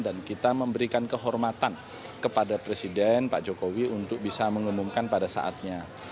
dan kita memberikan kehormatan kepada presiden pak jokowi untuk bisa mengumumkan pada saatnya